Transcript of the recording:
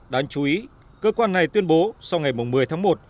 đáng chú ý cơ quan này tuyên bố sau ngày một mươi tháng một